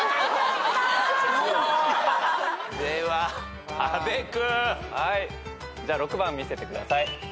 では阿部君。じゃあ６番見せてください。